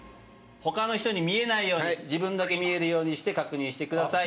他の人に見えないように自分だけ見えるようにして確認してください。